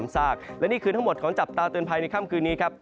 สวัสดีครับ